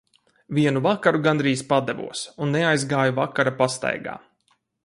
Vienu vakaru gandrīz padevos un neizgāju vakara pastaigā.